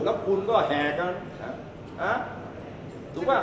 แล้วคุณก็แห่กัน